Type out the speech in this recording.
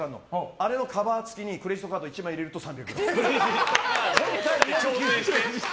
あれのカバー付きにクレジットカード１枚入れると３００ｇ。